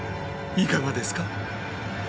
いかがですか？